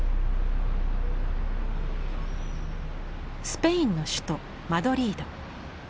スペインの首都マドリード。